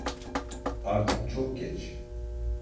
Artık çok geç.